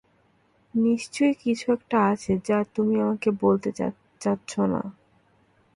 নিশ্চয়ই কিছু-একটা আছে, যা তুমি আমাকে বলতে চাচ্ছি না।